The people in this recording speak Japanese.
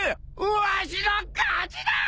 わしの勝ちだ！